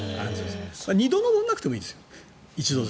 二度、登らなくてもいいです。